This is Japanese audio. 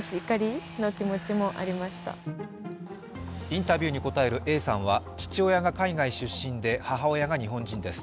インタビューに答えるＡさんは、父親が海外出身で母親が日本人です。